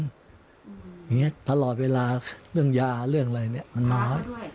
อย่างนี้ตลอดเวลาเรื่องยาเรื่องอะไรเนี่ยมันน้อย